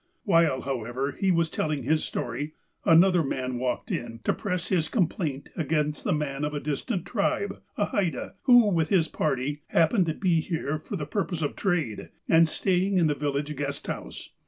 While, however, he was telling his story, another man walked in, to press his complaint against a man of a distant tribe, a Haida, who, with his party, happened to be here for the pur pose of trade, and staying in the village guest house.